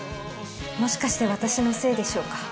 もしかして私のせいでしょうか？